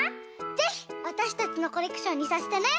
ぜひわたしたちのコレクションにさせてね。